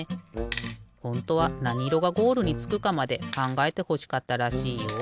ほんとはなにいろがゴールにつくかまでかんがえてほしかったらしいよ。